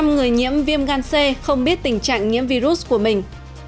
chín mươi người nhiễm viêm gan c không biết tình trạng nhiễm virus của mình